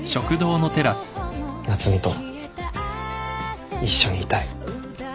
夏海と一緒にいたい。